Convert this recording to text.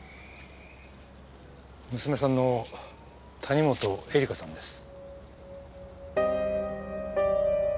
娘さんの谷本絵梨華さんです。